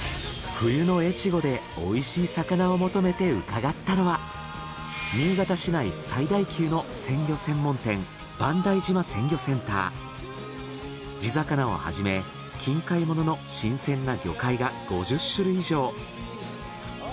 冬の越後で美味しい魚を求めて伺ったのは新潟市内最大級の鮮魚専門店地魚をはじめ近海ものの新鮮な魚介が５０種類以上。